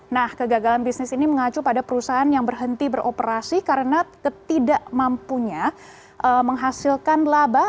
nah kegagalan bisnis ini mengacu pada perusahaan yang berhenti beroperasi karena ketidakmampunya menghasilkan laba